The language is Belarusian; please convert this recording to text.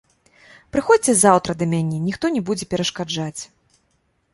Прыходзьце заўтра да мяне, ніхто не будзе перашкаджаць.